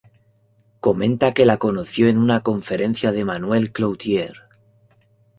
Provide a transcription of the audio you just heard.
Comenta que la conoció en una conferencia de Manuel Clouthier.